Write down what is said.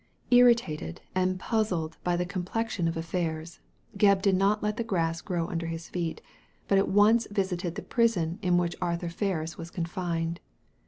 Irritated and puzzled by the complexion of affairs, Gebb did not let the grass grow under his feet, but at once visited the prison in which Arthur Ferris was confined.